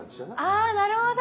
あなるほど。